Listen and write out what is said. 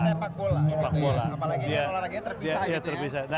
sepak bola gitu ya apalagi ini olahraganya terpisah gitu ya